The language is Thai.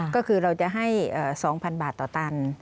ก็คือเราจะให้๒๐๐๐บาทต่อตัน